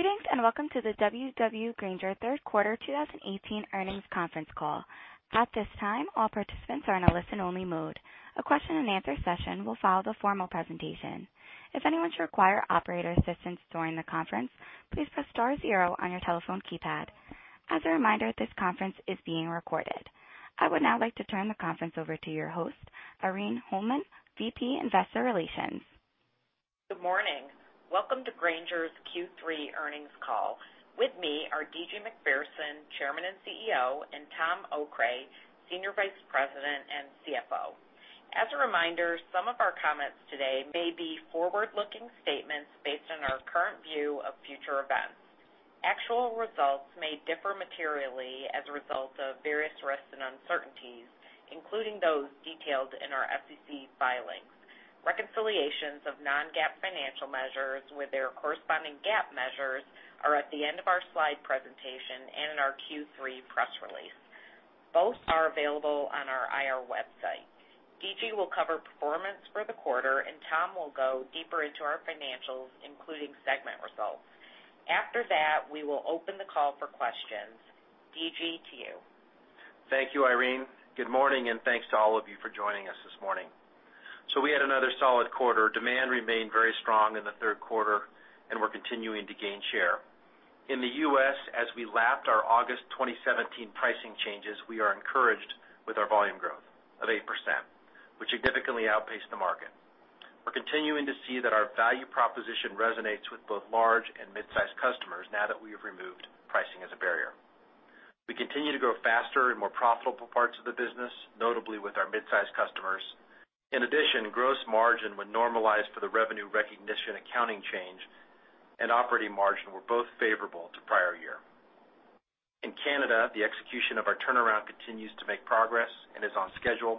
Greetings, and welcome to the W.W. Grainger third quarter 2018 earnings conference call. At this time, all participants are in a listen-only mode. A question and answer session will follow the formal presentation. If anyone should require operator assistance during the conference, please press star zero on your telephone keypad. As a reminder, this conference is being recorded. I would now like to turn the conference over to your host, Irene Holman, VP Investor Relations. Good morning. Welcome to Grainger's Q3 earnings call. With me are D.G. Macpherson, Chairman and CEO, and Tom Okray, Senior Vice President and CFO. As a reminder, some of our comments today may be forward-looking statements based on our current view of future events. Actual results may differ materially as a result of various risks and uncertainties, including those detailed in our SEC filings. Reconciliations of non-GAAP financial measures with their corresponding GAAP measures are at the end of our slide presentation and in our Q3 press release. Both are available on our IR website. D.G. will cover performance for the quarter, and Tom will go deeper into our financials, including segment results. After that, we will open the call for questions. D.G., to you. Thank you, Irene. Good morning, and thanks to all of you for joining us this morning. We had another solid quarter. Demand remained very strong in the third quarter, and we're continuing to gain share. In the U.S., as we lapped our August 2017 pricing changes, we are encouraged with our volume growth of 8%, which significantly outpaced the market. We're continuing to see that our value proposition resonates with both large and mid-size customers now that we have removed pricing as a barrier. We continue to grow faster in more profitable parts of the business, notably with our mid-size customers. In addition, gross margin, when normalized for the revenue recognition accounting change, and operating margin were both favorable to prior year. In Canada, the execution of our turnaround continues to make progress and is on schedule.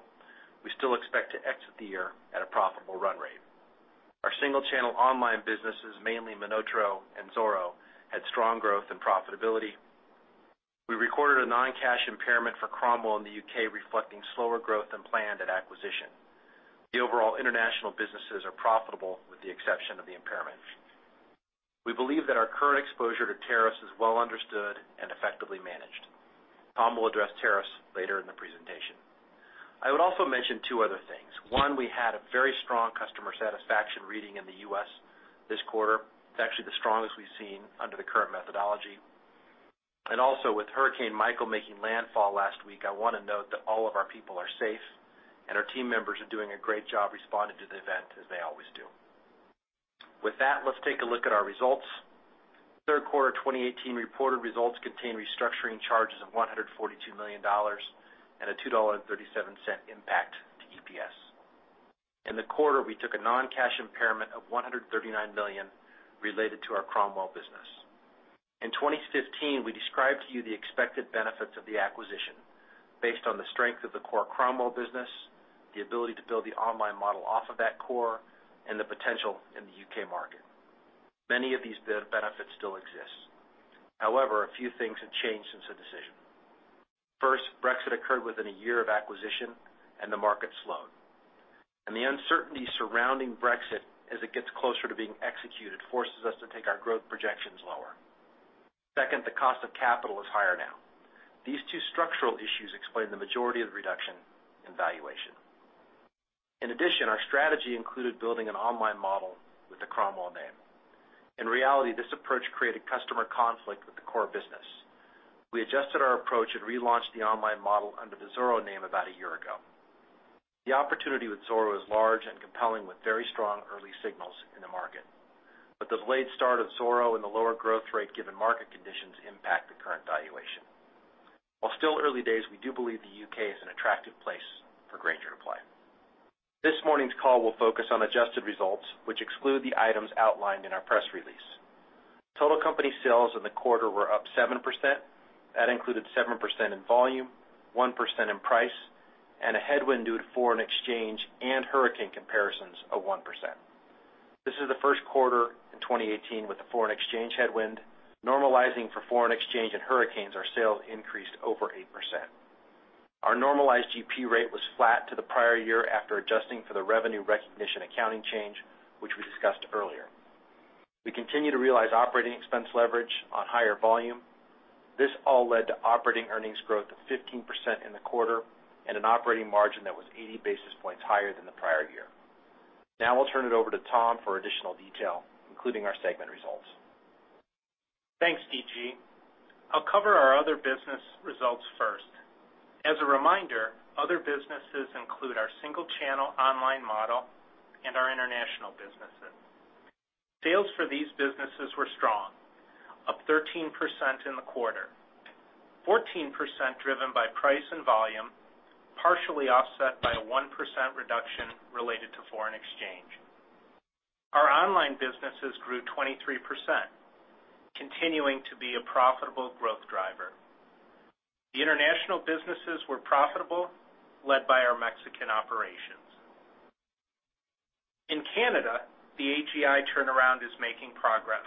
We still expect to exit the year at a profitable run rate. Our single channel online businesses, mainly MonotaRO and Zoro, had strong growth and profitability. We recorded a non-cash impairment for Cromwell in the U.K. reflecting slower growth than planned at acquisition. The overall international businesses are profitable with the exception of the impairment. We believe that our current exposure to tariffs is well understood and effectively managed. Tom will address tariffs later in the presentation. I would also mention two other things. One, we had a very strong customer satisfaction reading in the U.S. this quarter. It's actually the strongest we've seen under the current methodology. Also with Hurricane Michael making landfall last week, I want to note that all of our people are safe, and our team members are doing a great job responding to the event as they always do. With that, let's take a look at our results. Third quarter 2018 reported results contain restructuring charges of $142 million and a $2.37 impact to EPS. In the quarter, we took a non-cash impairment of $139 million related to our Cromwell business. In 2015, we described to you the expected benefits of the acquisition based on the strength of the core Cromwell business, the ability to build the online model off of that core, and the potential in the U.K. market. Many of these benefits still exist. However, a few things have changed since the decision. First, Brexit occurred within a year of acquisition, and the market slowed. The uncertainty surrounding Brexit as it gets closer to being executed forces us to take our growth projections lower. Second, the cost of capital is higher now. These two structural issues explain the majority of the reduction in valuation. In addition, our strategy included building an online model with the Cromwell name. In reality, this approach created customer conflict with the core business. We adjusted our approach and relaunched the online model under the Zoro name about a year ago. The opportunity with Zoro is large and compelling with very strong early signals in the market. The late start of Zoro and the lower growth rate given market conditions impact the current valuation. While still early days, we do believe the U.K. is an attractive place for Grainger to play. This morning's call will focus on adjusted results, which exclude the items outlined in our press release. Total company sales in the quarter were up 7%. That included 7% in volume, 1% in price, and a headwind due to foreign exchange and hurricane comparisons of 1%. This is the first quarter in 2018 with the foreign exchange headwind. Normalizing for foreign exchange and hurricanes, our sales increased over 8%. Our normalized GP rate was flat to the prior year after adjusting for the revenue recognition accounting change, which we discussed earlier. We continue to realize operating expense leverage on higher volume. This all led to operating earnings growth of 15% in the quarter and an operating margin that was 80 basis points higher than the prior year. Now I'll turn it over to Tom for additional detail, including our segment results. Thanks, D.G. I'll cover our other business results first. As a reminder, other businesses include our single channel online model and our international businesses. Sales for these businesses were strong, up 13% in the quarter, 14% driven by price and volume, partially offset by a 1% reduction related to foreign exchange. Our online businesses grew 23%, continuing to be a profitable growth driver. The international businesses were profitable, led by our Mexican operations. In Canada, the AGI turnaround is making progress.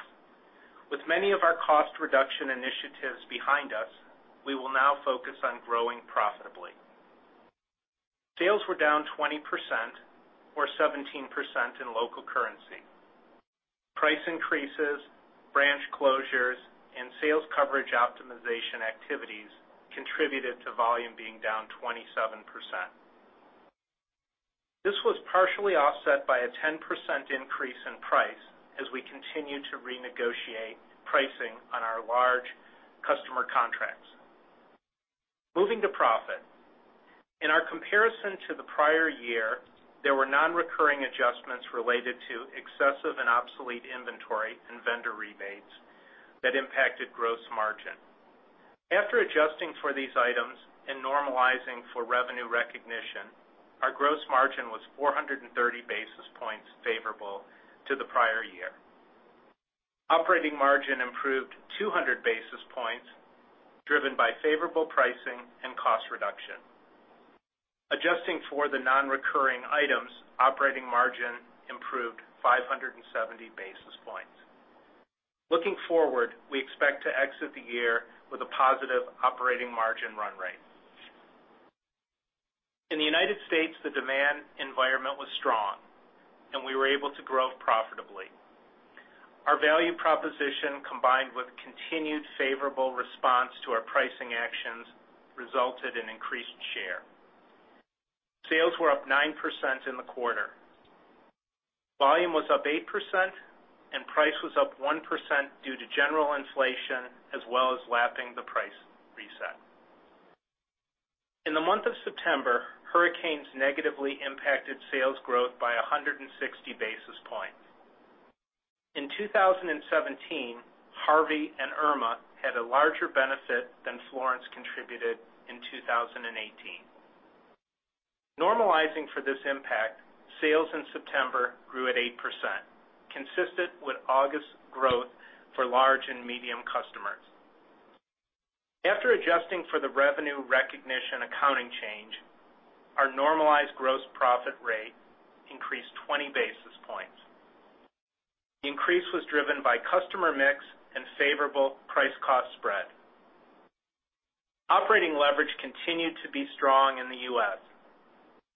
With many of our cost reduction initiatives behind us, we will now focus on growing profitably Sales were down 20%, or 17% in local currency. Price increases, branch closures, and sales coverage optimization activities contributed to volume being down 27%. This was partially offset by a 10% increase in price as we continue to renegotiate pricing on our large customer contracts. Moving to profit. In our comparison to the prior year, there were non-recurring adjustments related to excessive and obsolete inventory and vendor rebates that impacted gross margin. After adjusting for these items and normalizing for revenue recognition, our gross margin was 430 basis points favorable to the prior year. Operating margin improved 200 basis points, driven by favorable pricing and cost reduction. Adjusting for the non-recurring items, operating margin improved 570 basis points. Looking forward, we expect to exit the year with a positive operating margin run rate. In the U.S., the demand environment was strong, and we were able to grow profitably. Our value proposition, combined with continued favorable response to our pricing actions, resulted in increased share. Sales were up 9% in the quarter. Volume was up 8%, and price was up 1% due to general inflation, as well as lapping the price reset. In the month of September, hurricanes negatively impacted sales growth by 160 basis points. In 2017, Harvey and Irma had a larger benefit than Florence contributed in 2018. Normalizing for this impact, sales in September grew at 8%, consistent with August growth for large and medium customers. After adjusting for the revenue recognition accounting change, our normalized gross profit rate increased 20 basis points. The increase was driven by customer mix and favorable price-cost spread. Operating leverage continued to be strong in the U.S.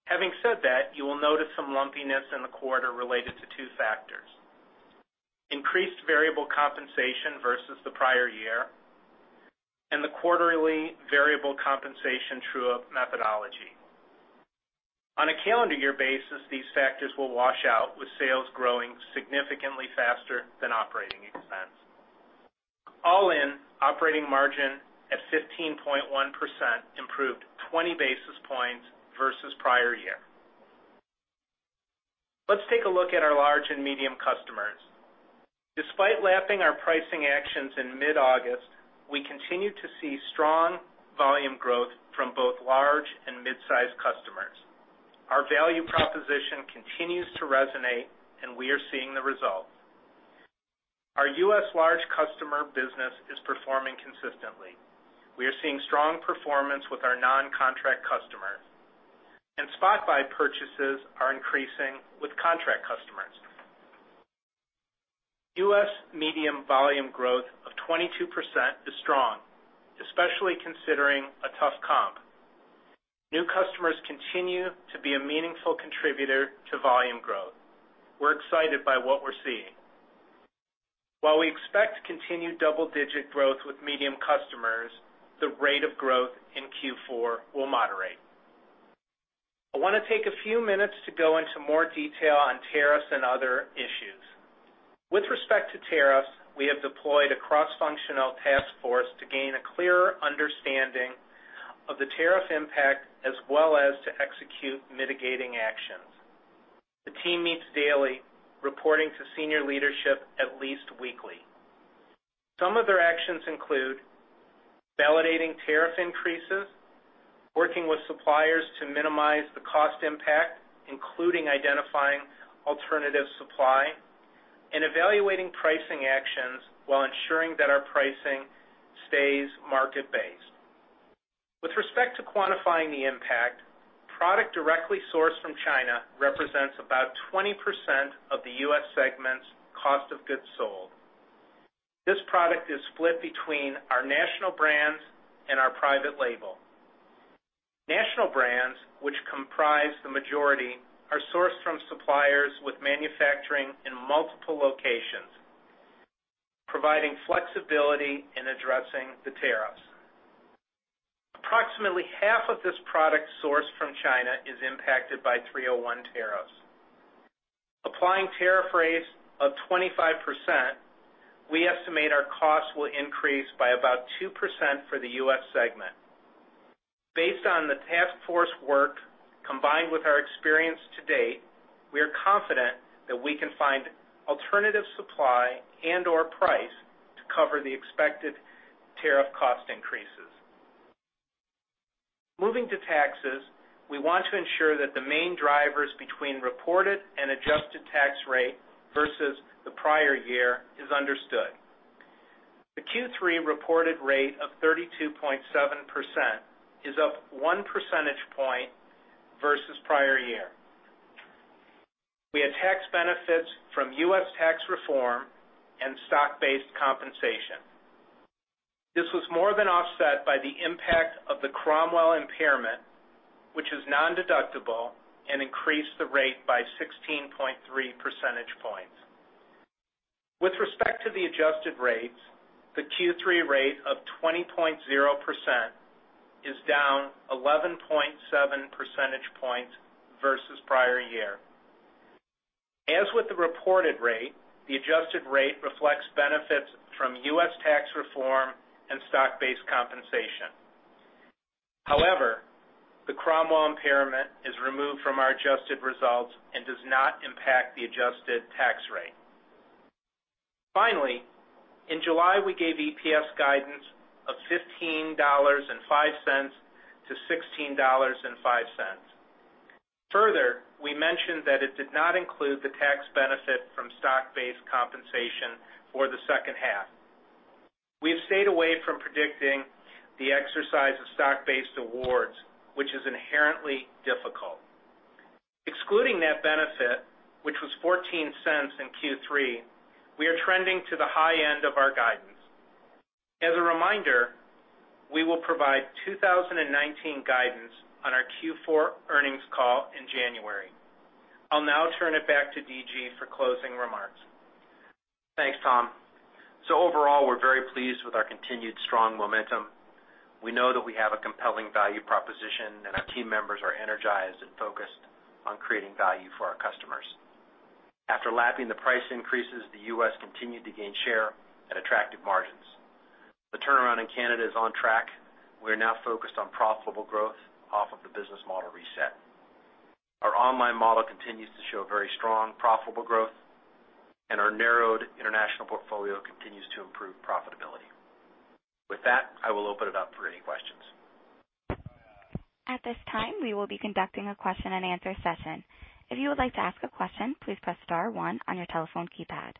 Having said that, you will notice some lumpiness in the quarter related to two factors: increased variable compensation versus the prior year, and the quarterly variable compensation true-up methodology. On a calendar year basis, these factors will wash out, with sales growing significantly faster than operating expense. All in, operating margin at 15.1% improved 20 basis points versus prior year. Let's take a look at our large and medium customers. Despite lapping our pricing actions in mid-August, we continue to see strong volume growth from both large and mid-size customers. Our value proposition continues to resonate, and we are seeing the results. Our U.S. large customer business is performing consistently. We are seeing strong performance with our non-contract customers, and spot buy purchases are increasing with contract customers. U.S. medium volume growth of 22% is strong, especially considering a tough comp. New customers continue to be a meaningful contributor to volume growth. We're excited by what we're seeing. While we expect continued double-digit growth with medium customers, the rate of growth in Q4 will moderate. I want to take a few minutes to go into more detail on tariffs and other issues. With respect to tariffs, we have deployed a cross-functional task force to gain a clearer understanding of the tariff impact, as well as to execute mitigating actions. The team meets daily, reporting to senior leadership at least weekly. Some of their actions include validating tariff increases, working with suppliers to minimize the cost impact, including identifying alternative supply, and evaluating pricing actions while ensuring that our pricing stays market-based. With respect to quantifying the impact, product directly sourced from China represents about 20% of the U.S. segment's cost of goods sold. This product is split between our national brands and our private label. National brands, which comprise the majority, are sourced from suppliers with manufacturing in multiple locations, providing flexibility in addressing the tariffs. Approximately half of this product sourced from China is impacted by 301 tariffs. Applying tariff rates of 25%, we estimate our costs will increase by about 2% for the U.S. segment. Based on the task force work, combined with our experience to date, we are confident that we can find alternative supply and/or price to cover the expected tariff cost increases. Moving to taxes, we want to ensure that the main drivers between reported and adjusted tax rate versus the prior year is understood. The Q3 reported rate of 32.7% is up one percentage point versus prior year. We had tax benefits from U.S. tax reform and stock-based compensation. This was more than offset by the impact of the Cromwell impairment, which is nondeductible and increased the rate by 16.3 percentage points. With respect to the adjusted rates, the Q3 rate of 20.0% is down 11.7 percentage points versus prior year. As with the reported rate, the adjusted rate reflects benefits from U.S. tax reform and stock-based compensation. However, the Cromwell impairment is removed from our adjusted results and does not impact the adjusted tax rate. Finally, in July, we gave EPS guidance of $15.05 to $16.05. Further, we mentioned that it did not include the tax benefit from stock-based compensation for the second half. We have stayed away from predicting the exercise of stock-based awards, which is inherently difficult. Excluding that benefit, which was $0.14 in Q3, we are trending to the high end of our guidance. As a reminder, we will provide 2019 guidance on our Q4 earnings call in January. I'll now turn it back to D.G. for closing remarks. Thanks, Tom. Overall, we're very pleased with our continued strong momentum. We know that we have a compelling value proposition, and our team members are energized and focused on creating value for our customers. After lapping the price increases, the U.S. continued to gain share at attractive margins. The turnaround in Canada is on track. We are now focused on profitable growth off of the business model reset. Our online model continues to show very strong profitable growth, and our narrowed international portfolio continues to improve profitability. With that, I will open it up for any questions. At this time, we will be conducting a question and answer session. If you would like to ask a question, please press star one on your telephone keypad.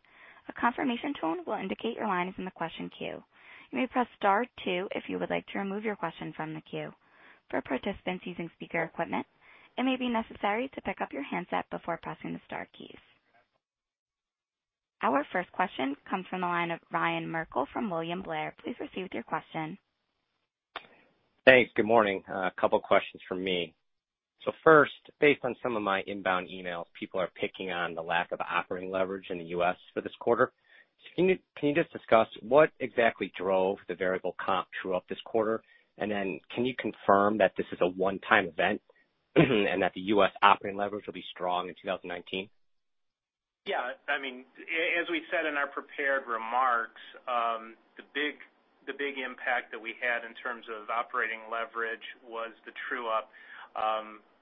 A confirmation tone will indicate your line is in the question queue. You may press star two if you would like to remove your question from the queue. For participants using speaker equipment, it may be necessary to pick up your handset before pressing the star keys. Our first question comes from the line of Ryan Merkel from William Blair. Please proceed with your question. Thanks. Good morning. A couple questions from me. First, based on some of my inbound emails, people are picking on the lack of operating leverage in the U.S. for this quarter. Can you just discuss what exactly drove the variable comp true-up this quarter? Then can you confirm that this is a one-time event and that the U.S. operating leverage will be strong in 2019? Yeah. As we said in our prepared remarks, the big impact that we had in terms of operating leverage was the true-up.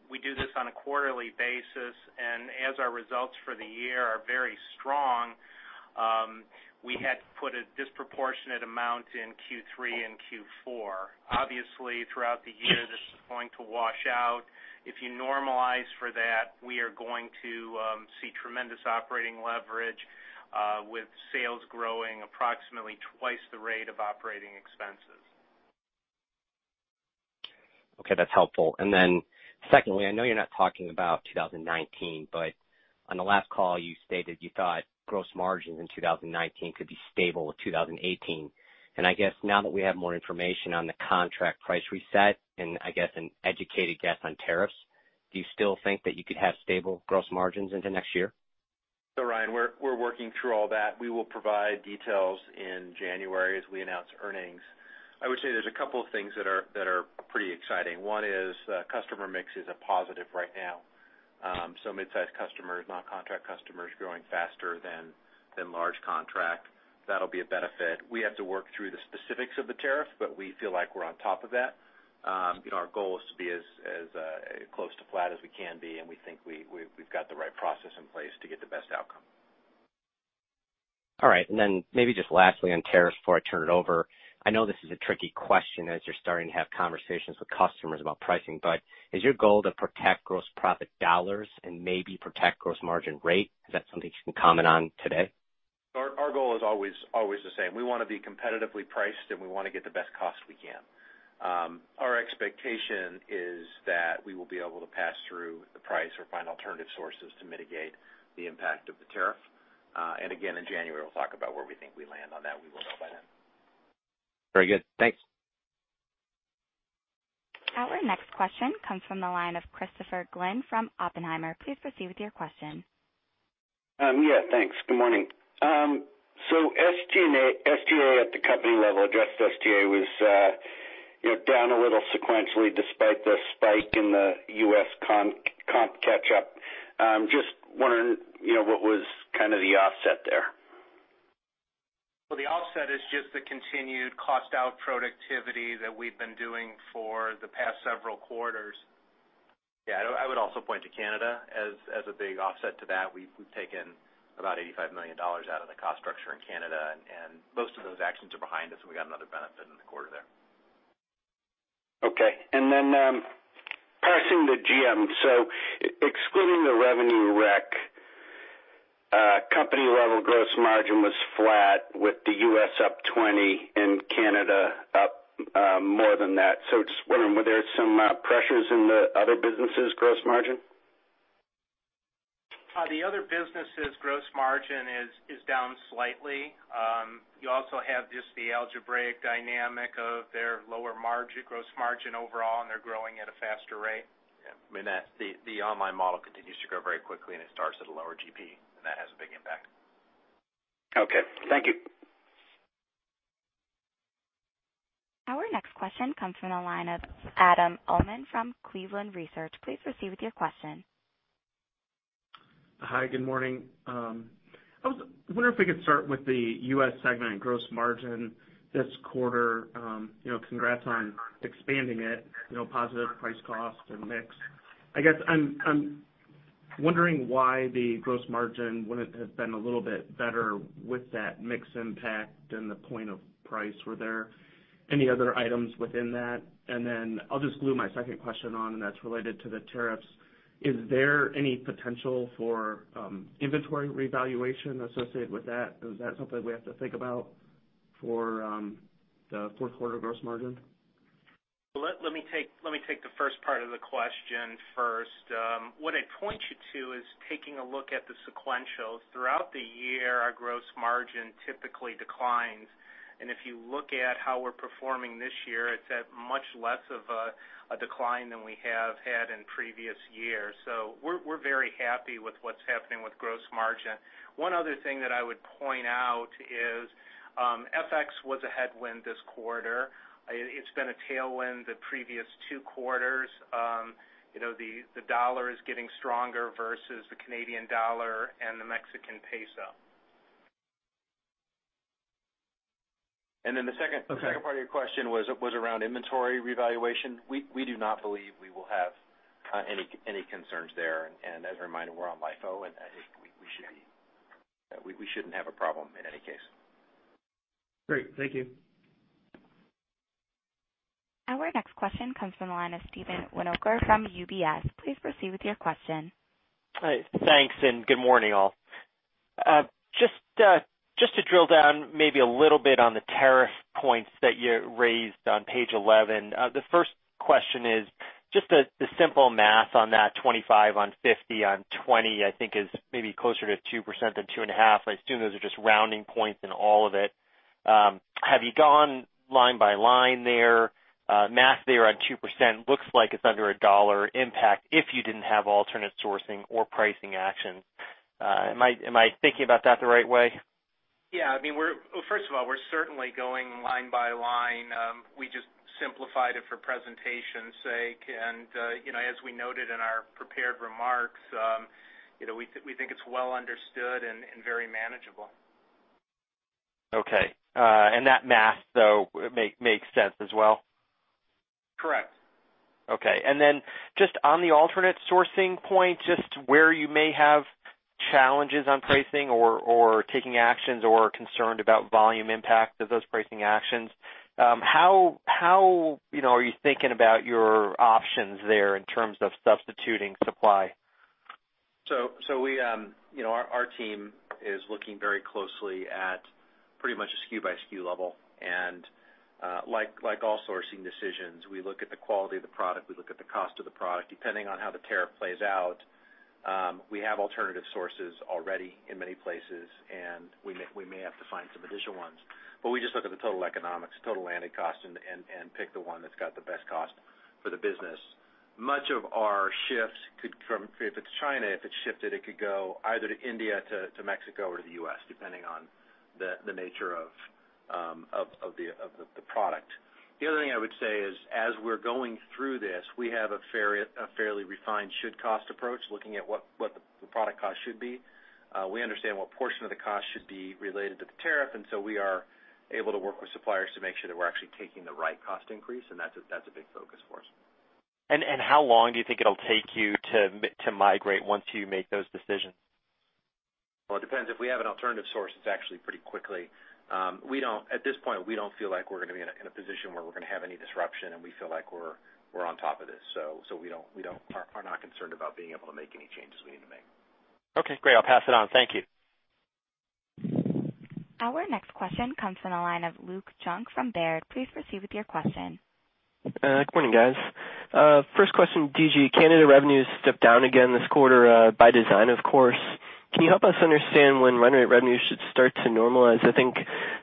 We do this on a quarterly basis, and as our results for the year are very strong, we had to put a disproportionate amount in Q3 and Q4. Obviously, throughout the year, this is going to wash out. If you normalize for that, we are going to see tremendous operating leverage with sales growing approximately twice the rate of operating expenses. Okay. That's helpful. Secondly, I know you're not talking about 2019, but on the last call, you stated you thought gross margins in 2019 could be stable with 2018. I guess now that we have more information on the contract price reset and I guess an educated guess on tariffs, do you still think that you could have stable gross margins into next year? Ryan, we're working through all that. We will provide details in January as we announce earnings. I would say there's a couple of things that are pretty exciting. One is customer mix is a positive right now. Mid-size customers, non-contract customers growing faster than large contract. That'll be a benefit. We have to work through the specifics of the tariff, but we feel like we're on top of that. Our goal is to be as close to flat as we can be, and we think we've got the right process in place to get the best outcome. All right. Maybe just lastly on tariffs before I turn it over, I know this is a tricky question as you're starting to have conversations with customers about pricing, is your goal to protect gross profit dollars and maybe protect gross margin rate? Is that something you can comment on today? Our goal is always the same. We want to be competitively priced, we want to get the best cost we can. Our expectation is that we will be able to pass through the price or find alternative sources to mitigate the impact of the tariff. Again, in January, we'll talk about where we think we land on that. We will know by then. Very good. Thanks. Our next question comes from the line of Christopher Glynn from Oppenheimer. Please proceed with your question. Yeah. Thanks. Good morning. SG&A at the company level, adjusted SG&A was down a little sequentially despite the spike in the U.S. comp catch up. Just wondering what was kind of the offset there. Well, the offset is just the continued cost out productivity that we've been doing for the past several quarters. Yeah. I would also point to Canada as a big offset to that. We've taken about $85 million out of the cost structure in Canada, and most of those actions are behind us, and we got another benefit in the quarter there. Okay. Parsing the GM. Excluding the revenue rec, Company level gross margin was flat with the U.S. up 20% and Canada up more than that. Just wondering, were there some pressures in the other businesses' gross margin? The other businesses' gross margin is down slightly. You also have just the algebraic dynamic of their lower gross margin overall, and they're growing at a faster rate. Yeah. The online model continues to grow very quickly and it starts at a lower GP, and that has a big impact. Okay. Thank you. Our next question comes from the line of Adam Uhlman from Cleveland Research Company. Please proceed with your question. Hi. Good morning. I was wondering if we could start with the U.S. segment gross margin this quarter. Congrats on expanding it, positive price cost and mix. I guess I'm wondering why the gross margin wouldn't have been a little bit better with that mix impact and the point of price. Were there any other items within that? Then I'll just glue my second question on, and that's related to the tariffs. Is there any potential for inventory revaluation associated with that? Is that something we have to think about for the fourth quarter gross margin? Let me take the first part of the question first. What I'd point you to is taking a look at the sequentials. Throughout the year, our gross margin typically declines, if you look at how we're performing this year, it's at much less of a decline than we have had in previous years. We're very happy with what's happening with gross margin. One other thing that I would point out is, FX was a headwind this quarter. It's been a tailwind the previous two quarters. The dollar is getting stronger versus the CAD and the MXN. Then the second part of your question was around inventory revaluation. We do not believe we will have any concerns there. As a reminder, we're on LIFO, and I think we shouldn't have a problem in any case. Great. Thank you. Our next question comes from the line of Steven Winokur from UBS. Please proceed with your question. Hi. Thanks, and good morning, all. Just to drill down maybe a little bit on the tariff points that you raised on page 11. The first question is just the simple math on that 25 on 50 on 20, I think is maybe closer to 2% than 2.5. I assume those are just rounding points in all of it. Have you gone line by line there? Math there on 2% looks like it's under a $1 impact if you didn't have alternate sourcing or pricing actions. Am I thinking about that the right way? Yeah. First of all, we're certainly going line by line. We just simplified it for presentation's sake. As we noted in our prepared remarks, we think it's well understood and very manageable. Okay. That math, though, makes sense as well? Correct. Okay. Then just on the alternate sourcing point, just where you may have challenges on pricing or taking actions or are concerned about volume impact of those pricing actions, how are you thinking about your options there in terms of substituting supply? Our team is looking very closely at pretty much a SKU by SKU level. Like all sourcing decisions, we look at the quality of the product, we look at the cost of the product. Depending on how the tariff plays out, we have alternative sources already in many places, and we may have to find some additional ones. We just look at the total economics, total landed cost, and pick the one that's got the best cost for the business. Much of our shifts could, if it's China, if it's shifted, it could go either to India, to Mexico or to the U.S., depending on the nature of the product. The other thing I would say is as we're going through this, we have a fairly refined should-cost approach, looking at what the product cost should be. We understand what portion of the cost should be related to the tariff. We are able to work with suppliers to make sure that we're actually taking the right cost increase. That's a big focus for us. How long do you think it'll take you to migrate once you make those decisions? Well, it depends. If we have an alternative source, it's actually pretty quickly. At this point, we don't feel like we're going to be in a position where we're going to have any disruption, and we feel like we're on top of this. We are not concerned about being able to make any changes we need to make. Okay, great. I'll pass it on. Thank you. Our next question comes from the line of Luke Junk from Baird. Please proceed with your question. Good morning, guys. First question, D.G. Canada revenues stepped down again this quarter, by design, of course. Can you help us understand when Acklands-Grainger revenue should start to normalize? I think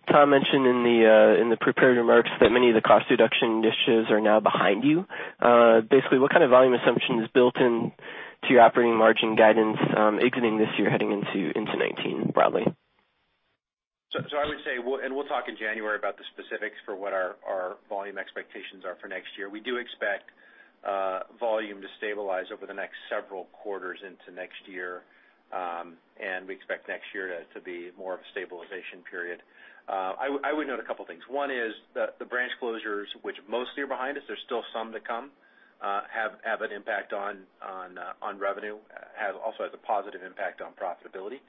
Tom mentioned in the prepared remarks that many of the cost reduction initiatives are now behind you. What kind of volume assumption is built into your operating margin guidance exiting this year heading into 2019 broadly? I would say, we'll talk in January about the specifics for what our volume expectations are for next year. We do expect volume to stabilize over the next several quarters into next year, we expect next year to be more of a stabilization period. I would note a couple of things. One is that the branch closures, which mostly are behind us, there's still some to come, have an impact on revenue, also has a positive impact on profitability.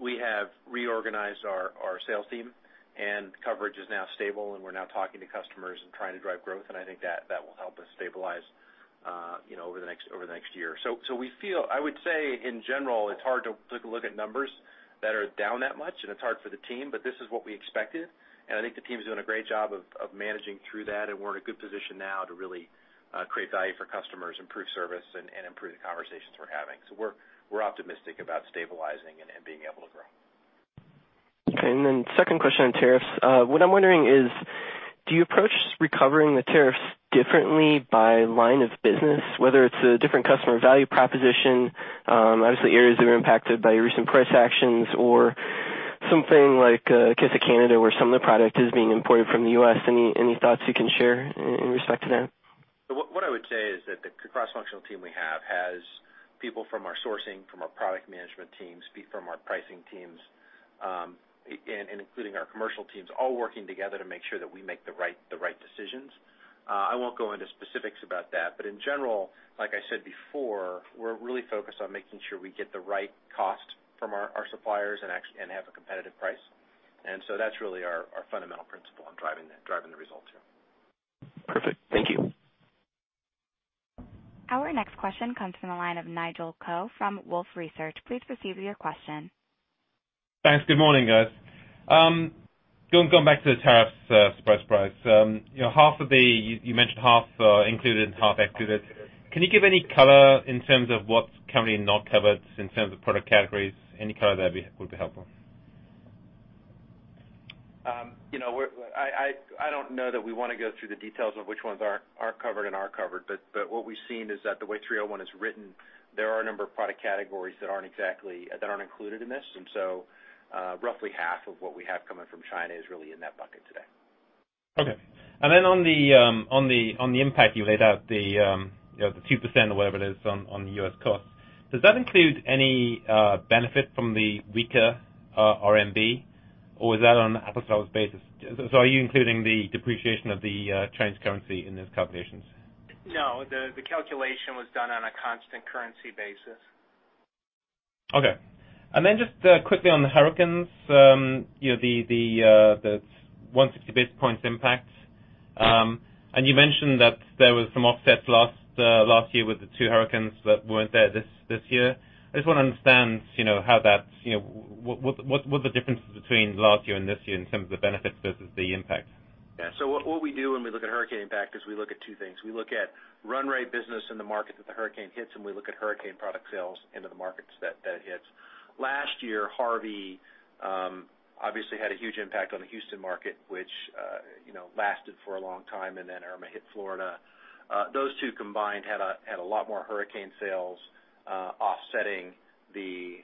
We have reorganized our sales team, coverage is now stable, we're now talking to customers and trying to drive growth, I think that will help us stabilize over the next year. I would say, in general, it's hard to take a look at numbers that are down that much, it's hard for the team, this is what we expected, I think the team's doing a great job of managing through that. We're in a good position now to really create value for customers, improve service, improve the conversations we're having. We're optimistic about stabilizing and being able to grow. Okay, second question on tariffs. What I'm wondering is, do you approach recovering the tariffs differently by line of business, whether it's a different customer value proposition, obviously areas that are impacted by recent price actions or something like case of Canada, where some of the product is being imported from the U.S. Any thoughts you can share in respect to that? What I would say is that the cross-functional team we have has people from our sourcing, from our product management teams, from our pricing teams, and including our commercial teams, all working together to make sure that we make the right decisions. I won't go into specifics about that, but in general, like I said before, we're really focused on making sure we get the right cost from our suppliers and have a competitive price. That's really our fundamental principle on driving the result here. Perfect. Thank you. Our next question comes from the line of Nigel Coe from Wolfe Research. Please proceed with your question. Thanks. Good morning, guys. Going back to the tariffs, surprise. You mentioned half are included and half excluded. Can you give any color in terms of what's currently not covered in terms of product categories? Any color there would be helpful. I don't know that we want to go through the details of which ones aren't covered and are covered, but what we've seen is that the way 301 is written, there are a number of product categories that aren't included in this. Roughly half of what we have coming from China is really in that bucket today. Okay. On the impact you laid out, the 2% or whatever it is on the U.S. cost, does that include any benefit from the weaker RMB, or is that on apples to apples basis? Are you including the depreciation of the Chinese currency in those calculations? No, the calculation was done on a constant currency basis. Okay. Just quickly on the hurricanes, the 160 basis points impact. You mentioned that there was some offsets last year with the two hurricanes that weren't there this year. I just want to understand what the difference is between last year and this year in terms of the benefits versus the impact. Yeah. What we do when we look at hurricane impact is we look at two things. We look at run rate business in the market that the hurricane hits, and we look at hurricane product sales into the markets that it hits. Last year, Harvey obviously had a huge impact on the Houston market, which lasted for a long time, and then Irma hit Florida. Those two combined had a lot more hurricane sales offsetting the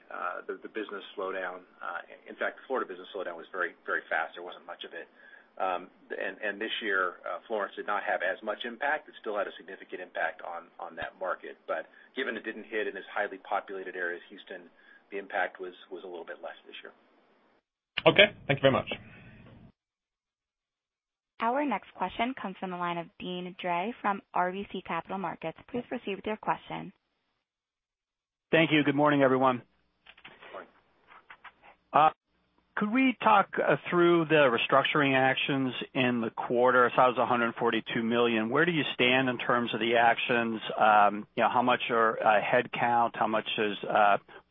business slowdown. In fact, the Florida business slowdown was very fast. There wasn't much of it. This year, Florence did not have as much impact. It still had a significant impact on that market. But given it didn't hit in as highly populated area as Houston, the impact was a little bit less this year. Okay. Thank you very much. Our next question comes from the line of Deane Dray from RBC Capital Markets. Please proceed with your question. Thank you. Good morning, everyone. Good morning. Could we talk through the restructuring actions in the quarter? I saw it was $142 million. Where do you stand in terms of the actions? How much are headcount? How much is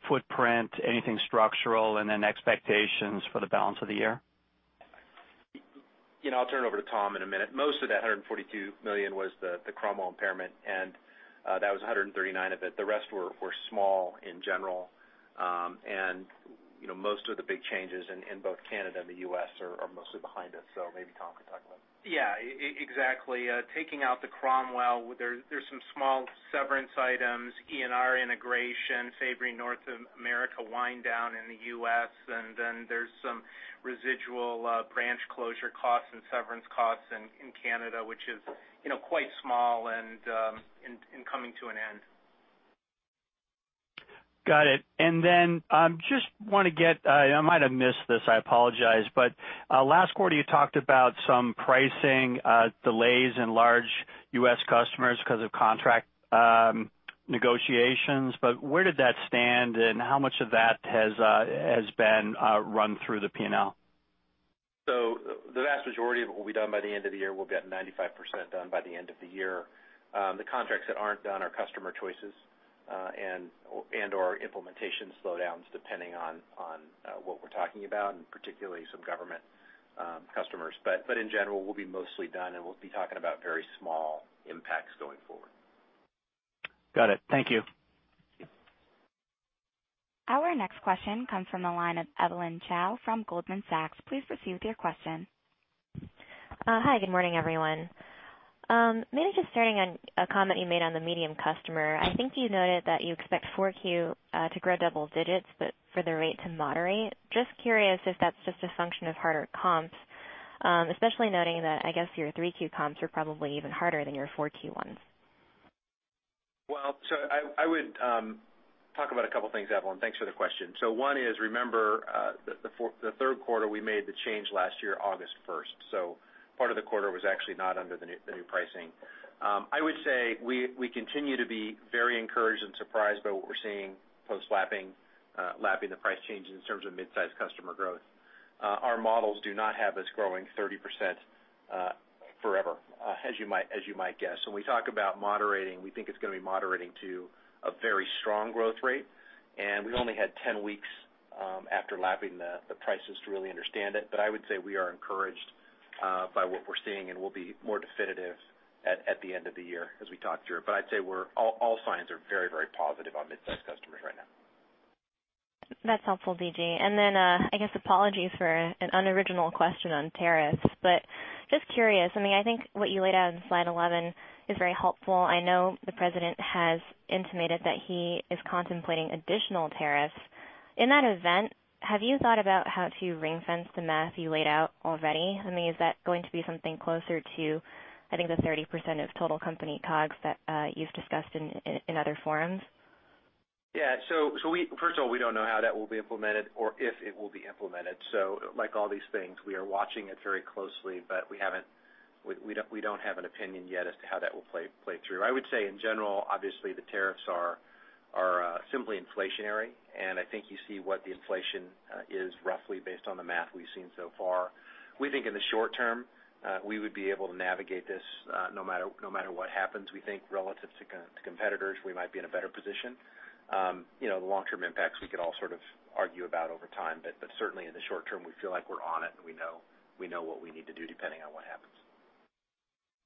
footprint? Anything structural? Then expectations for the balance of the year. I'll turn it over to Tom in a minute. Most of that $142 million was the Cromwell impairment, and that was $139 million of it. The rest were small in general. Most of the big changes in both Canada and the U.S. are mostly behind us. Maybe Tom can talk about that. Yeah, exactly. Taking out the Cromwell, there's some small severance items, E&R Industrial integration, Fabory North America wind down in the U.S. Then there's some residual branch closure costs and severance costs in Canada, which is quite small and coming to an end. Got it. Just want to get, I might have missed this, I apologize, last quarter you talked about some pricing delays in large U.S. customers because of contract negotiations, but where did that stand and how much of that has been run through the P&L? The vast majority of it will be done by the end of the year. We'll get 95% done by the end of the year. The contracts that aren't done are customer choices, and/or implementation slowdowns depending on what we're talking about, and particularly some government customers. In general, we'll be mostly done and we'll be talking about very small impacts going forward. Got it. Thank you. Yeah. Our next question comes from the line of Evelyn Chow from Goldman Sachs. Please proceed with your question. Hi, good morning, everyone. Maybe just starting on a comment you made on the medium customer. I think you noted that you expect Q4 to grow double digits, but for the rate to moderate. Just curious if that's just a function of harder comps, especially noting that, I guess, your Q3 comps are probably even harder than your Q4 ones. Well, I would talk about a couple things, Evelyn. Thanks for the question. One is, remember the third quarter, we made the change last year, August 1st. Part of the quarter was actually not under the new pricing. I would say we continue to be very encouraged and surprised by what we're seeing post-lapping the price change in terms of midsize customer growth. Our models do not have us growing 30% forever, as you might guess. When we talk about moderating, we think it's going to be moderating to a very strong growth rate, and we've only had 10 weeks after lapping the prices to really understand it. I would say we are encouraged by what we're seeing, and we'll be more definitive at the end of the year as we talk through it. I'd say all signs are very, very positive on midsize customers right now. That's helpful, D.G. I guess apologies for an unoriginal question on tariffs, but just curious, I think what you laid out in slide 11 is very helpful. I know the president has intimated that he is contemplating additional tariffs. In that event, have you thought about how to ring-fence the math you laid out already? Is that going to be something closer to, I think, the 30% of total company COGS that you've discussed in other forums? First of all, we don't know how that will be implemented or if it will be implemented. Like all these things, we are watching it very closely, but we don't have an opinion yet as to how that will play through. I would say in general, obviously the tariffs are simply inflationary, and I think you see what the inflation is roughly based on the math we've seen so far. We think in the short term, we would be able to navigate this, no matter what happens. We think relative to competitors, we might be in a better position. The long-term impacts we could all sort of argue about over time, but certainly in the short term, we feel like we're on it and we know what we need to do depending on what happens.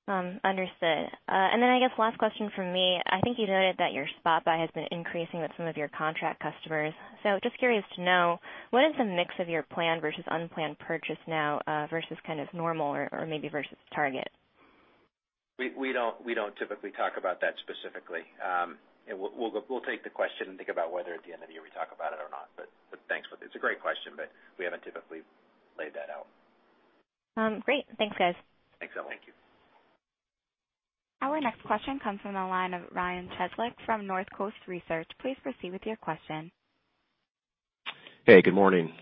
Understood. Then I guess last question from me. I think you noted that your spot buy has been increasing with some of your contract customers. Just curious to know, what is the mix of your planned versus unplanned purchase now, versus kind of normal or maybe versus target? We don't typically talk about that specifically. We'll take the question and think about whether at the end of the year we talk about it or not, but thanks. It's a great question, but we haven't typically laid that out. Great. Thanks, guys. Thanks, Evelyn. Thank you. Our next question comes from the line of Ryan Tezlick from North Coast Research. Please proceed with your question. Hey, good morning.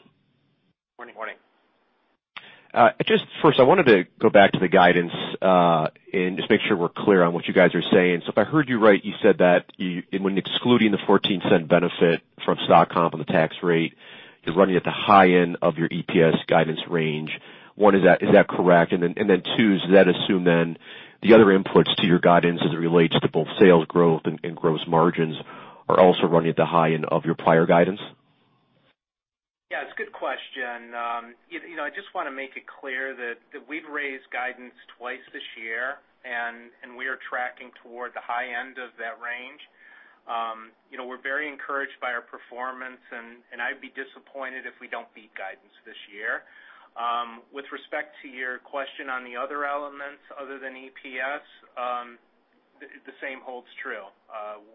Morning. Morning. First, I wanted to go back to the guidance, just make sure we're clear on what you guys are saying. If I heard you right, you said that when excluding the $0.14 benefit from stock comp on the tax rate, you're running at the high end of your EPS guidance range. One, is that correct? Two, does that assume the other inputs to your guidance as it relates to both sales growth and gross margins are also running at the high end of your prior guidance? Yeah. It's a good question. I just want to make it clear that we've raised guidance twice this year, we are tracking toward the high end of that range. We're very encouraged by our performance, I'd be disappointed if we don't beat guidance this year. With respect to your question on the other elements other than EPS, the same holds true.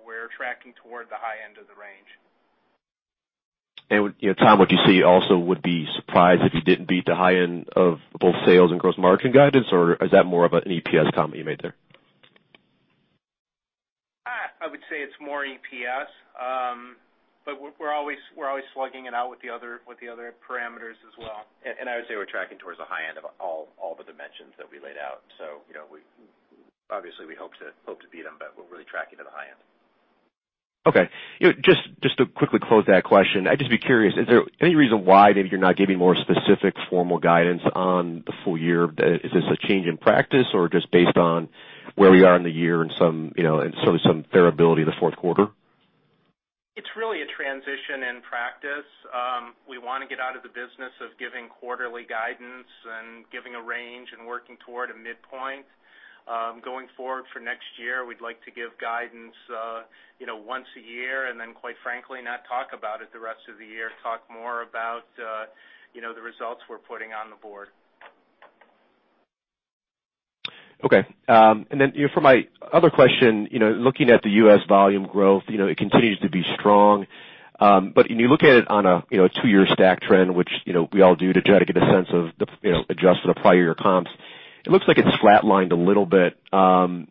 We're tracking toward the high end of the range. Tom, would you say you also would be surprised if you didn't beat the high end of both sales and gross margin guidance, or is that more of an EPS comment you made there? I would say it's more EPS. We're always slugging it out with the other parameters as well. I would say we're tracking towards the high end of all the dimensions that we laid out. Obviously we hope to beat them, but we're really tracking to the high end. Okay. Just to quickly close that question, I'd just be curious, is there any reason why maybe you're not giving more specific formal guidance on the full year? Is this a change in practice or just based on where we are in the year and some variability in the fourth quarter? It's really a transition in practice. We want to get out of the business of giving quarterly guidance and giving a range and working toward a midpoint. Going forward for next year, we'd like to give guidance once a year and then quite frankly, not talk about it the rest of the year. Talk more about the results we're putting on the board. Okay. For my other question, looking at the U.S. volume growth it continues to be strong. But when you look at it on a two-year stack trend, which we all do to try to get a sense of the adjusted or prior year comps, it looks like it's flat-lined a little bit, and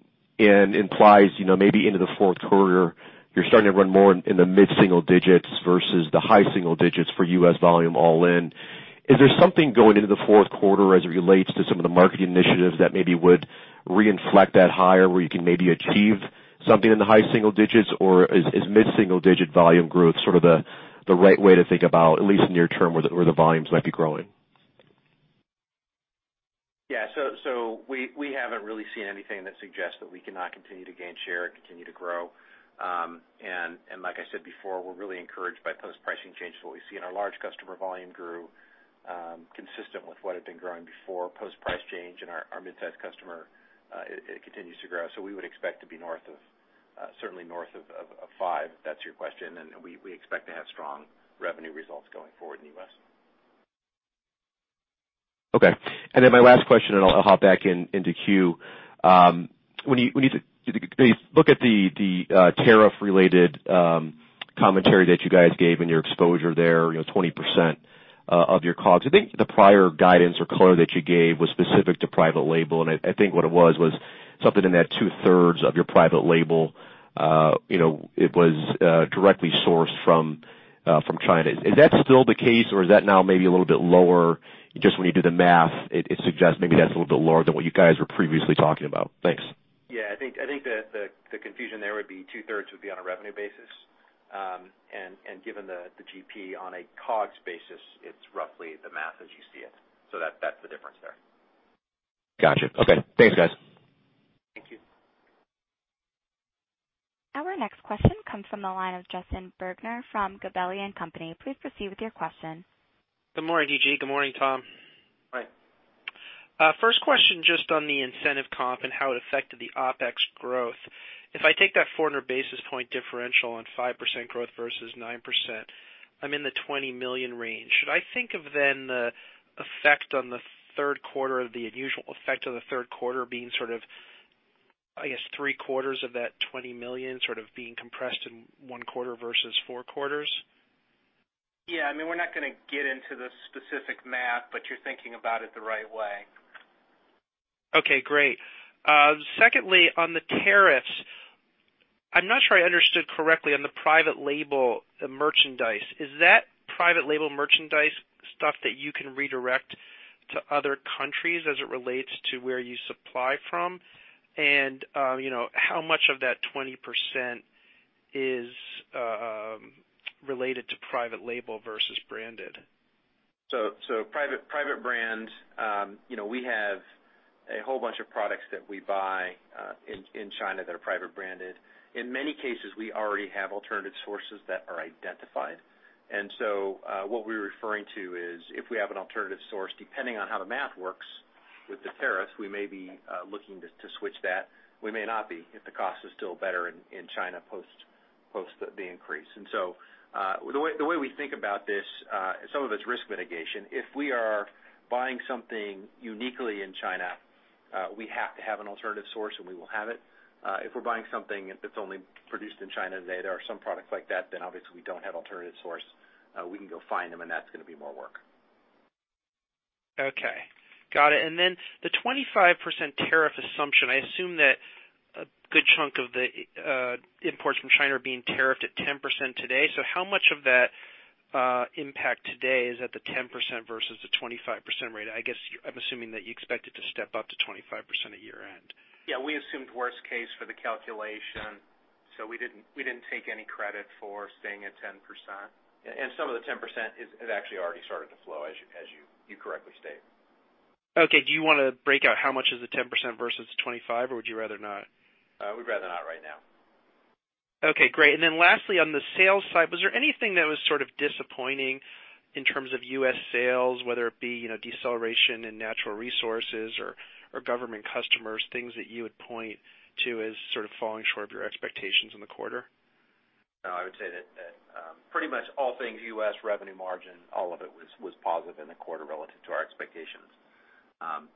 implies maybe into the fourth quarter, you're starting to run more in the mid-single digits versus the high single digits for U.S. volume all in. Is there something going into the fourth quarter as it relates to some of the marketing initiatives that maybe would re-inflect that higher where you can maybe achieve something in the high single digits, or is mid-single digit volume growth sort of the right way to think about, at least near term, where the volumes might be growing? We haven't really seen anything that suggests that we cannot continue to gain share and continue to grow. Like I said before, we're really encouraged by post-pricing change that we see in our large customer volume grew, consistent with what had been growing before post price change and our mid-size customer continues to grow. We would expect to be certainly north of five, if that's your question, and we expect to have strong revenue results going forward in the U.S. My last question, I'll hop back into queue. When you look at the tariff-related commentary that you guys gave and your exposure there, 20% of your COGS, I think the prior guidance or color that you gave was specific to private label, and I think what it was something in that two-thirds of your private label was directly sourced from China. Is that still the case or is that now maybe a little bit lower? Just when you do the math, it suggests maybe that's a little bit lower than what you guys were previously talking about. Thanks. I think the confusion there would be two-thirds would be on a revenue basis. Given the GP on a COGS basis, it's roughly the math as you see it. That's the difference there. Got you. Thanks, guys. Thank you. Our next question comes from the line of Justin Bergner from Gabelli & Company. Please proceed with your question. Good morning, DG. Good morning, Tom. Hi. First question just on the incentive comp and how it affected the OpEx growth. If I take that 400 basis points differential on 5% growth versus 9%, I'm in the $20 million range. Should I think of then the effect on the third quarter, the unusual effect of the third quarter being, I guess, three-quarters of that $20 million sort of being compressed in one quarter versus four quarters? Yeah. We're not going to get into the specific math, but you're thinking about it the right way. Okay, great. Secondly, on the tariffs, I'm not sure I understood correctly on the private label merchandise. Is that private label merchandise stuff that you can redirect to other countries as it relates to where you supply from? How much of that 20% is related to private label versus branded? Private brand, we have a whole bunch of products that we buy in China that are private branded. In many cases, we already have alternative sources that are identified. What we're referring to is if we have an alternative source, depending on how the math works with the tariffs, we may be looking to switch that. We may not be if the cost is still better in China post the increase. The way we think about this, some of it's risk mitigation. If we are buying something uniquely in China, we have to have an alternative source, and we will have it. If we're buying something that's only produced in China today, there are some products like that, obviously we don't have alternative source. We can go find them, and that's going to be more work. Okay. Got it. The 25% tariff assumption, I assume that a good chunk of the imports from China are being tariffed at 10% today. How much of that impact today is at the 10% versus the 25% rate? I guess I'm assuming that you expect it to step up to 25% at year-end. Yeah, we assumed worst case for the calculation, so we didn't take any credit for staying at 10%. Some of the 10% has actually already started to flow, as you correctly state. Okay. Do you want to break out how much is the 10% versus 25, or would you rather not? We'd rather not right now. Okay, great. Then lastly, on the sales side, was there anything that was sort of disappointing in terms of U.S. sales, whether it be deceleration in natural resources or government customers, things that you would point to as sort of falling short of your expectations in the quarter? No, I would say that pretty much all things U.S. revenue margin, all of it was positive in the quarter relative to our expectations.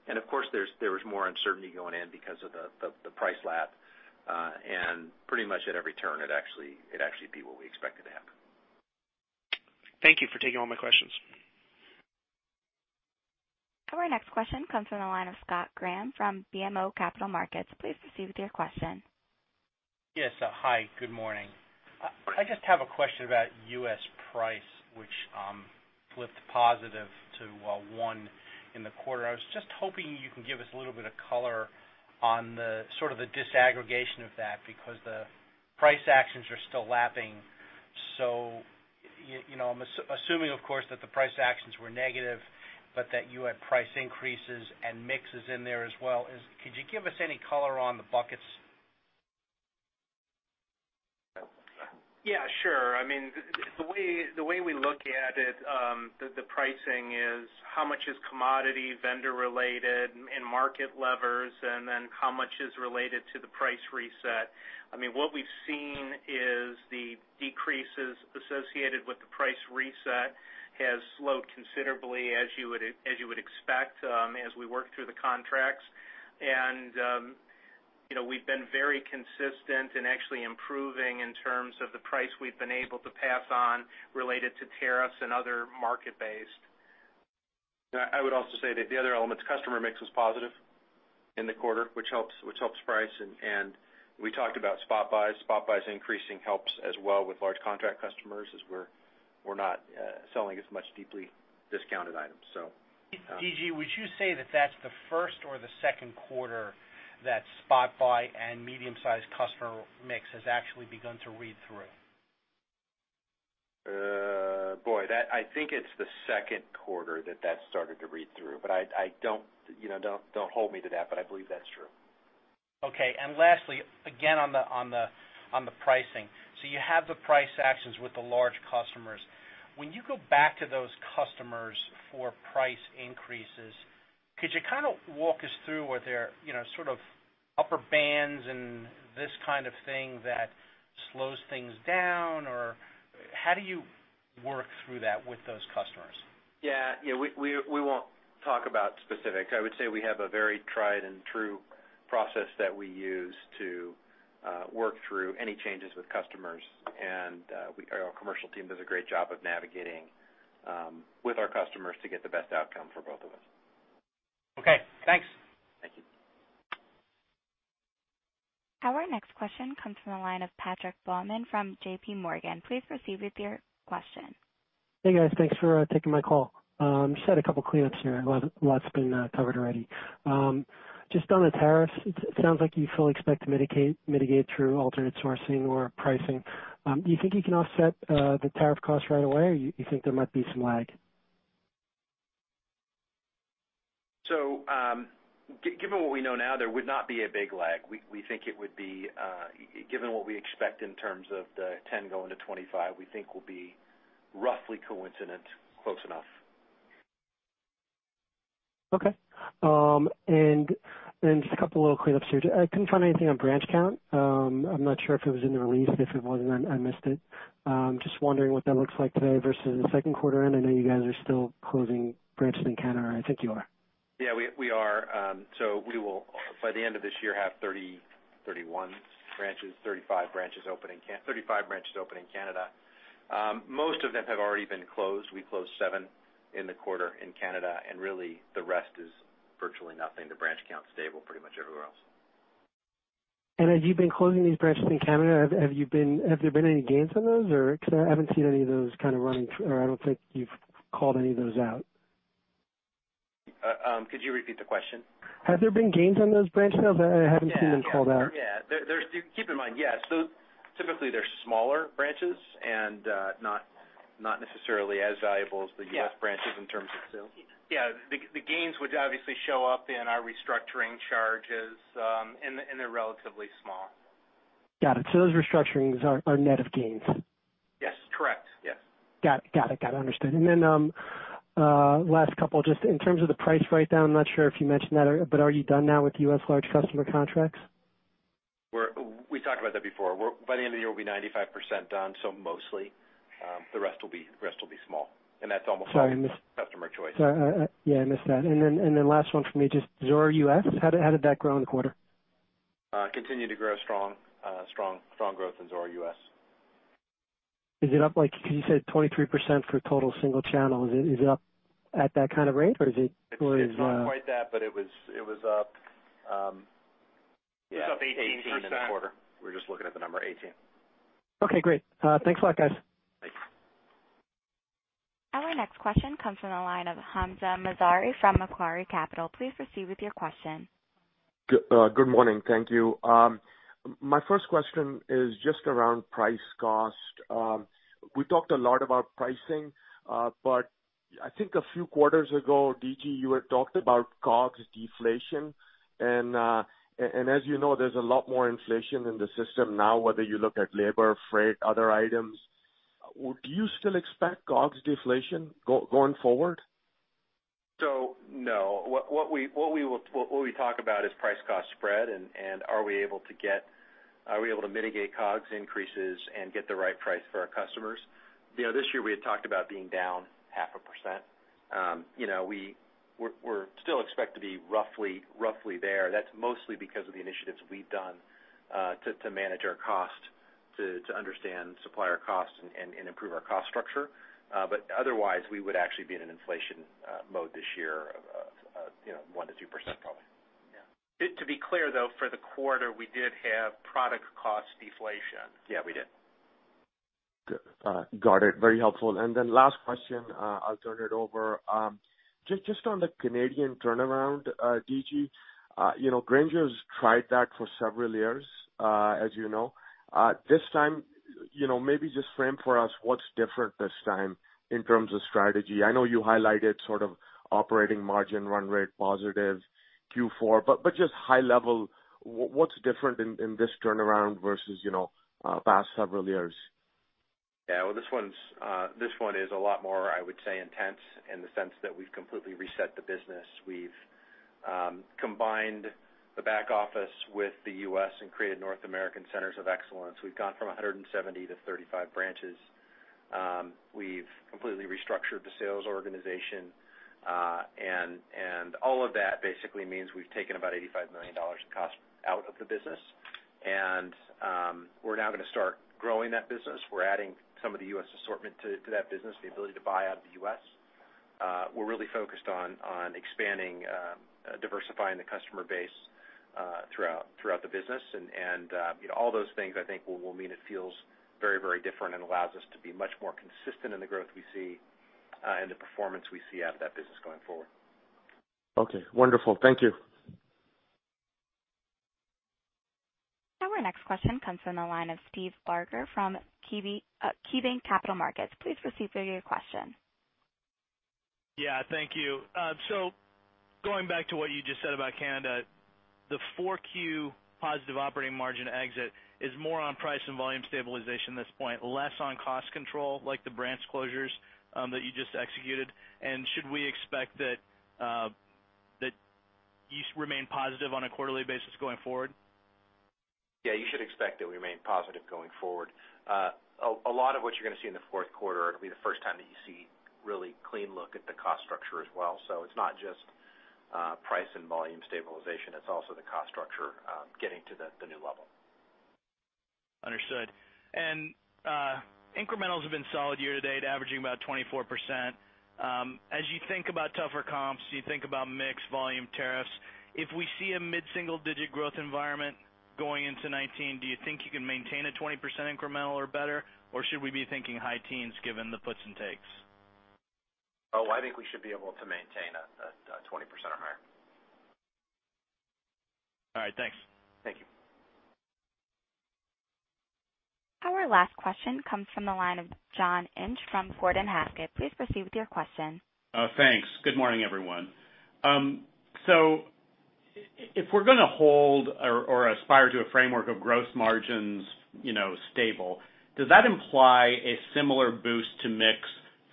Of course, there was more uncertainty going in because of the price lap. Pretty much at every turn, it'd actually be what we expected to happen. Thank you for taking all my questions. Our next question comes from the line of Scott Graham from BMO Capital Markets. Please proceed with your question. Yes. Hi, good morning. I just have a question about U.S. price, which flipped positive to one in the quarter. I was just hoping you can give us a little bit of color on the sort of the disaggregation of that, because the price actions are still lapping. I'm assuming, of course, that the price actions were negative, but that you had price increases and mixes in there as well. Could you give us any color on the buckets? Yeah, sure. The way we look at it, the pricing is how much is commodity vendor related and market levers, and then how much is related to the price reset. What we've seen is the decreases associated with the price reset has slowed considerably as you would expect, as we work through the contracts. We've been very consistent in actually improving in terms of the price we've been able to pass on related to tariffs and other market-based. I would also say that the other elements customer mix was positive in the quarter, which helps price. We talked about spot buys. Spot buys increasing helps as well with large contract customers, as we're not selling as much deeply discounted items. D.G., would you say that that's the first or the second quarter that spot buy and medium-sized customer mix has actually begun to read through? Boy, I think it's the second quarter that that started to read through. Don't hold me to that, but I believe that's true. Lastly, again, on the pricing. You have the price actions with the large customers. When you go back to those customers for price increases, could you kind of walk us through where there sort of upper bands and this kind of thing that slows things down, or how do you work through that with those customers? Yeah. We won't talk about specifics. I would say we have a very tried and true process that we use to work through any changes with customers. Our commercial team does a great job of navigating with our customers to get the best outcome for both of us. Okay, thanks. Our next question comes from the line of Patrick Baumann from JPMorgan. Please proceed with your question. Hey, guys. Thanks for taking my call. Just had a couple cleanups here. A lot's been covered already. Just on the tariffs, it sounds like you fully expect to mitigate through alternate sourcing or pricing. Do you think you can offset the tariff cost right away, or you think there might be some lag? Given what we know now, there would not be a big lag. Given what we expect in terms of the 10 going to 25, we think we'll be roughly coincident, close enough. Okay. Just a couple of little cleanups here. I couldn't find anything on branch count. I'm not sure if it was in the release. If it was, then I missed it. Just wondering what that looks like today versus the second quarter end. I know you guys are still closing branches in Canada, or I think you are. We are. We will, by the end of this year, have 30, 31 branches, 35 branches open in Canada. Most of them have already been closed. We closed seven in the quarter in Canada, really the rest is virtually nothing. The branch count's stable pretty much everywhere else. As you've been closing these branches in Canada, have there been any gains on those? I haven't seen any of those kind of running, or I don't think you've called any of those out. Could you repeat the question? Have there been gains on those branch sales? I haven't seen them called out. Yeah. Keep in mind, yes. Typically, they're smaller branches and not necessarily as valuable as the U.S. branches in terms of sales. Yeah. The gains would obviously show up in our restructuring charges, and they're relatively small. Got it. Those restructurings are net of gains. Yes, correct. Yes. Got it. Understood. Last couple, just in terms of the price write-down, I'm not sure if you mentioned that, but are you done now with U.S. large customer contracts? We talked about that before. By the end of the year, we'll be 95% done, so mostly. The rest will be small. That's almost all customer choice. Sorry. Yeah, I missed that. Last one for me, just Zoro U.S., how did that grow in the quarter? Continued to grow strong. Strong growth in Zoro U.S. Is it up like, because you said 23% for total single channel. Is it up at that kind of rate? Or is it It's not quite that, but it was up It was up 18%. 18 in the quarter. We were just looking at the number, 18. Okay, great. Thanks a lot, guys. Thanks. Our next question comes from the line of Hamzah Mazari from Macquarie Capital. Please proceed with your question. Good morning. Thank you. My first question is just around price cost. We talked a lot about pricing, but I think a few quarters ago, DG, you had talked about COGS deflation. As you know, there's a lot more inflation in the system now, whether you look at labor, freight, other items. Do you still expect COGS deflation going forward? No. What we talk about is price cost spread and are we able to mitigate COGS increases and get the right price for our customers. This year, we had talked about being down half a percent. We still expect to be roughly there. That's mostly because of the initiatives we've done to manage our cost, to understand supplier costs, and improve our cost structure. Otherwise, we would actually be in an inflation mode this year of 1%-2%, probably. To be clear, though, for the quarter, we did have product cost deflation. Yeah, we did. Got it. Very helpful. Last question, I'll turn it over. Just on the Canadian turnaround, D.G., Grainger's tried that for several years, as you know. This time, maybe just frame for us what's different this time in terms of strategy. I know you highlighted sort of operating margin run rate positive Q4, but just high level, what's different in this turnaround versus past several years? Yeah. Well, this one is a lot more, I would say, intense in the sense that we've completely reset the business. We've combined the back office with the U.S. and created North American centers of excellence. We've gone from 170 to 35 branches. We've completely restructured the sales organization. All of that basically means we've taken about $85 million in cost out of the business, and we're now going to start growing that business. We're adding some of the U.S. assortment to that business, the ability to buy out of the U.S. We're really focused on expanding, diversifying the customer base throughout the business. All those things, I think, will mean it feels very different and allows us to be much more consistent in the growth we see and the performance we see out of that business going forward. Okay, wonderful. Thank you. Our next question comes from the line of Steve Barker from KeyBanc Capital Markets. Please proceed with your question. Thank you. Going back to what you just said about Canada, the 4Q positive operating margin exit is more on price and volume stabilization at this point, less on cost control like the branch closures that you just executed. Should we expect that you remain positive on a quarterly basis going forward? You should expect that we remain positive going forward. A lot of what you're going to see in the fourth quarter, it'll be the first time that you see really clean look at the cost structure as well. It's not just price and volume stabilization, it's also the cost structure getting to the new level. Understood. Incrementals have been solid year-to-date, averaging about 24%. As you think about tougher comps, you think about mix volume tariffs. If we see a mid-single-digit growth environment going into 2019, do you think you can maintain a 20% incremental or better? Or should we be thinking high teens given the puts and takes? I think we should be able to maintain a 20% or higher. All right, thanks. Thank you. Our last question comes from the line of John Inch from Gordon Haskett. Please proceed with your question. Thanks. Good morning, everyone. If we're going to hold or aspire to a framework of gross margins stable, does that imply a similar boost to mix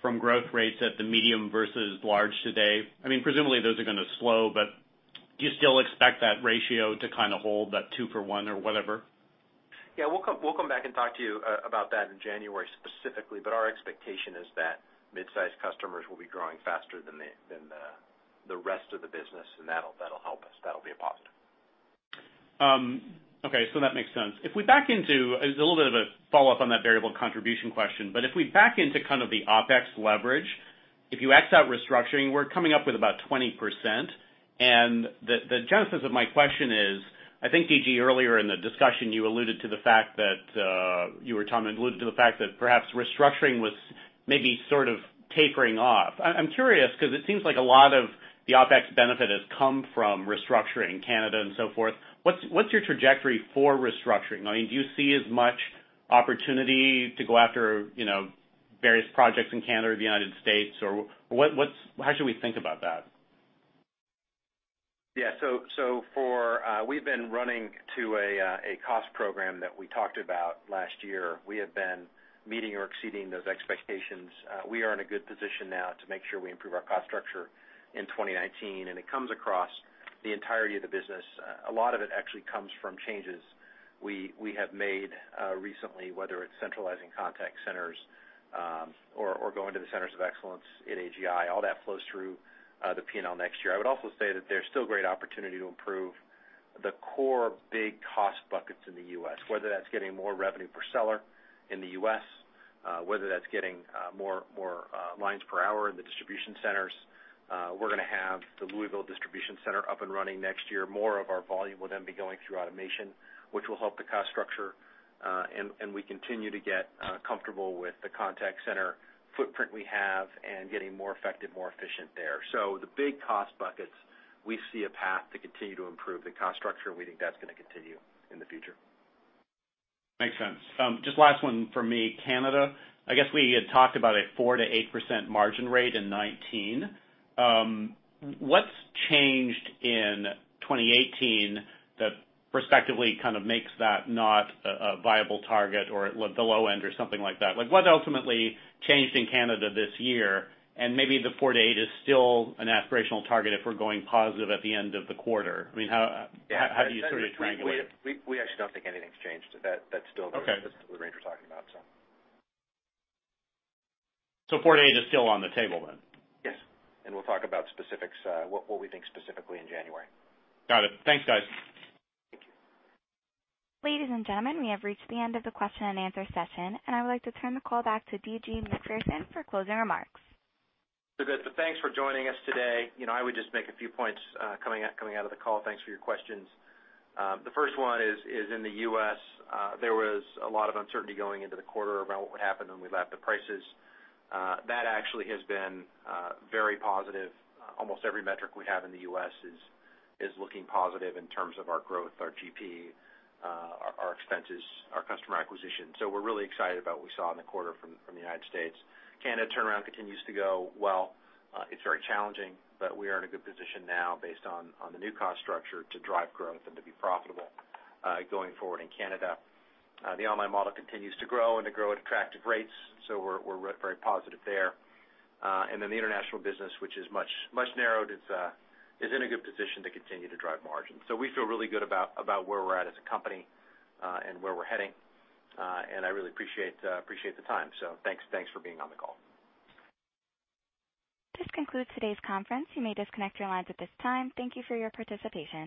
from growth rates at the medium versus large today? Presumably those are going to slow, but do you still expect that ratio to kind of hold that two for one or whatever? Yeah, we'll come back and talk to you about that in January specifically, our expectation is that midsize customers will be growing faster than the rest of the business, and that'll help us. That'll be a positive. Okay. That makes sense. It's a little bit of a follow-up on that variable contribution question, if we back into kind of the OpEx leverage, if you x out restructuring, we're coming up with about 20%. The genesis of my question is, I think, D.G., earlier in the discussion, you or Tom alluded to the fact that perhaps restructuring was maybe sort of tapering off. I'm curious because it seems like a lot of the OpEx benefit has come from restructuring Canada and so forth. What's your trajectory for restructuring? Do you see as much opportunity to go after various projects in Canada or the U.S., or how should we think about that? We've been running to a cost program that we talked about last year. We have been meeting or exceeding those expectations. We are in a good position now to make sure we improve our cost structure in 2019. It comes across the entirety of the business. A lot of it actually comes from changes we have made recently, whether it's centralizing contact centers or going to the centers of excellence at AGI. All that flows through the P&L next year. I would also say that there's still great opportunity to improve the core big cost buckets in the U.S., whether that's getting more revenue per seller in the U.S., whether that's getting more lines per hour in the distribution centers. We're going to have the Louisville distribution center up and running next year. More of our volume will then be going through automation, which will help the cost structure. We continue to get comfortable with the contact center footprint we have and getting more effective, more efficient there. The big cost buckets, we see a path to continue to improve the cost structure. We think that's going to continue in the future. Makes sense. Just last one from me. Canada, I guess we had talked about a 4%-8% margin rate in 2019. What's changed in 2018 that perspectively kind of makes that not a viable target or the low end or something like that? What ultimately changed in Canada this year? Maybe the 4%-8% is still an aspirational target if we're going positive at the end of the quarter. How do you sort of triangulate it? We actually don't think anything's changed. That's still- Okay the range we're talking about. 4-8 is still on the table? Yes. We'll talk about what we think specifically in January. Got it. Thanks, guys. Thank you. Ladies and gentlemen, we have reached the end of the question and answer session. I would like to turn the call back to D.G. Macpherson for closing remarks. Good. Thanks for joining us today. I would just make a few points coming out of the call. Thanks for your questions. The first one is in the U.S., there was a lot of uncertainty going into the quarter about what would happen when we lapped the prices. That actually has been very positive. Almost every metric we have in the U.S. is looking positive in terms of our growth, our GP, our expenses, our customer acquisition. We're really excited about what we saw in the quarter from the United States. Canada turnaround continues to go well. It's very challenging. We are in a good position now based on the new cost structure to drive growth and to be profitable going forward in Canada. The online model continues to grow and to grow at attractive rates. We're very positive there. The international business, which is much narrowed, is in a good position to continue to drive margin. We feel really good about where we're at as a company and where we're heading. I really appreciate the time. Thanks for being on the call. This concludes today's conference. You may disconnect your lines at this time. Thank you for your participation.